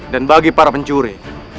dan bagi para pencuri